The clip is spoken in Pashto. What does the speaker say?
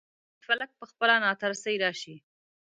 چې فلک پخپله ناترسۍ راشي.